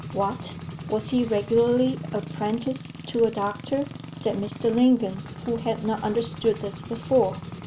"What! was he regularly apprenticed to a doctor?" said Mr. Lingon, who had not understood this before.